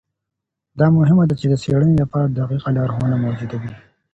دا مهمه ده چي د څېړنې لپاره دقیقه لارښوونه موجوده وي.